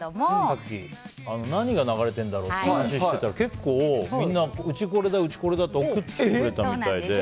さっき、何が流れてるんだろうって話してたら結構、みんなうちはこれだって送ってきてくれたみたいで。